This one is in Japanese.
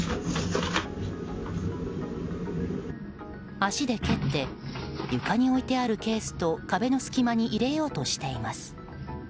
足で蹴って床に置いてあるケースと壁の隙間に入れようとしています。